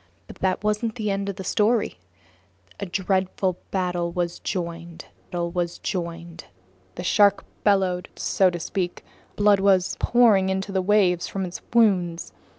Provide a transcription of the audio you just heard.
But that wasn't the end of the story. A dreadful battle was joined. The shark bellowed, so to speak. Blood was pouring into the waves from its wounds.